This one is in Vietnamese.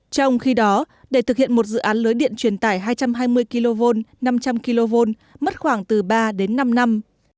trong khi đó để thực hiện một dự án lưới điện truyền tải hai trăm hai mươi kv năm trăm linh kv mất khoảng từ ba đến năm năm